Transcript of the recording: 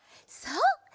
そう。